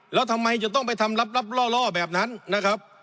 แล้วทำไมจะต้องไปทำลับล่อแบบนั้นนะครับ